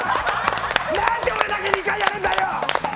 なんで俺だけ２回やるんだよ！